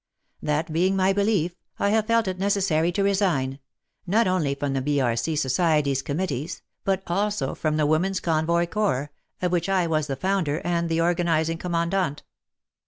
That being my belief, I have felt it necessary to resign, not only from the B.R.C. Society's committees, but also from the Women s Convoy Corps, of which I was the founder, and the organizing commandant.